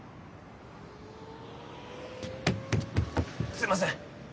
すいません